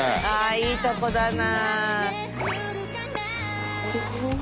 いいとこだな。